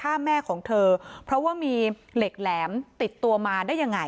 ฆ่าแม่ของเธอเพราะว่ามีเหล็กแหลมติดตัวมาได้ยังไง